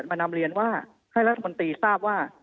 นำเรียนว่าให้รัฐมนตรีทราบว่า